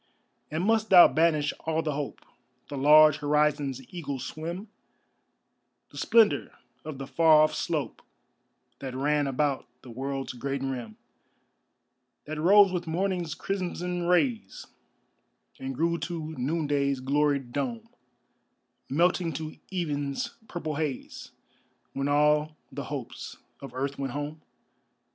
And must thou banish all the hope The large horizon's eagle swim, The splendor of the far off slope That ran about the world's great rim, That rose with morning's crimson rays And grew to noonday's gloried dome, Melting to even's purple haze When all the hopes of earth went home?